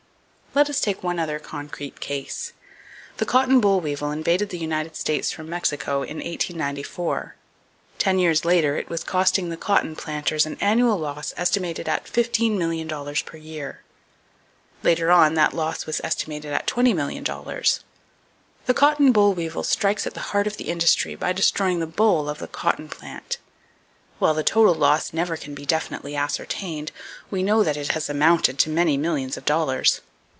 —Let us take one other concrete case. The cotton boll weevil invaded the United States from Mexico in 1894. Ten years later it was costing the cotton planters an annual loss estimated at fifteen million dollars per year. Later on that loss was estimated at twenty million dollars. The cotton boll weevil strikes at the heart of the industry by destroying the boll of the cotton plant. While the total [Page 216] loss never can be definitely ascertained, we know that it has amounted to many millions of dollars.